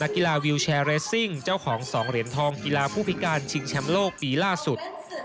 กีฬาวิวแชร์เรสซิ่งเจ้าของ๒เหรียญทองกีฬาผู้พิการชิงแชมป์โลกปีล่าสุด